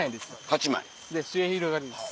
８枚。で末広がりです。